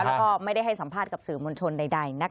แล้วก็ไม่ได้ให้สัมภาษณ์กับสื่อมวลชนใด